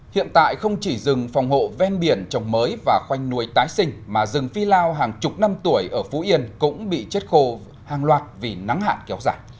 hiện tại không chỉ rừng phòng hộ ven biển trồng mới và khoanh nuôi tái sinh mà rừng phi lao hàng chục năm tuổi ở phú yên cũng bị chết khô hàng loạt vì nắng hạn kéo dài